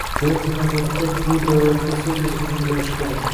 Birinchi navbatda bu davlatda soʻz erkinligi boʻlishi kerak.